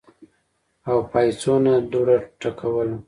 او پاينڅو نه دوړه ټکوهله